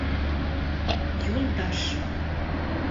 — Юлдаш.